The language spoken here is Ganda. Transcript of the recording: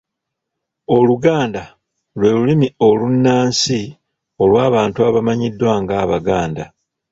Oluganda lwe lulimi olunnansi olw’abantu abamanyiddwa nga Abaganda.